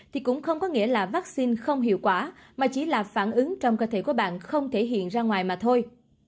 thì cũng không có nghĩa là vaccine không hiệu quả mà chỉ là phản ứng trong cơ thể của bạn không thể hiện ra ngoài mà thôi